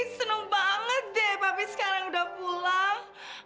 seneng banget deh papi sekarang udah pulang